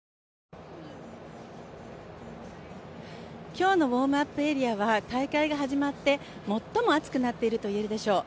今日のウオームアップエリアは大会が始まって最も暑くなっているといえるでしょう。